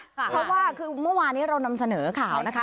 เพราะว่าคือเมื่อวานี้เรานำเสนอข่าวนะคะ